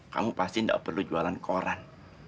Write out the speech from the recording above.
kamu pasti tidak perlu jualan koran